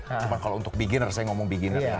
cuma kalau untuk beginner saya ngomong beginner